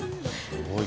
すごい。